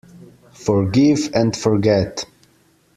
Forgive and forget.